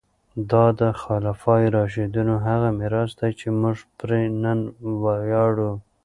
دا د خلفای راشدینو هغه میراث دی چې موږ پرې نن ویاړو.